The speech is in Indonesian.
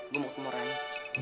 gue mau ke rumah rani